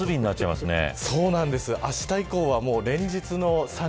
あした以降は連日の３０度。